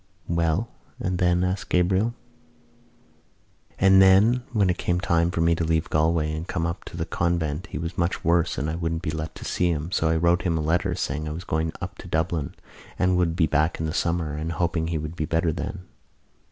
"Well; and then?" asked Gabriel. "And then when it came to the time for me to leave Galway and come up to the convent he was much worse and I wouldn't be let see him so I wrote him a letter saying I was going up to Dublin and would be back in the summer and hoping he would be better then."